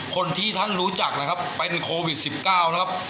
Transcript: คนที่ท่านรู้จักนะครับเป็นโควิด๑๙นะครับ